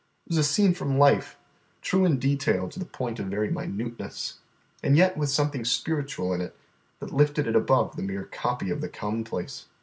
It was a scene from life, true in detail to the point of very minuteness, and yet with something spiritual in it that lifted it above the mere copy of the commonplace.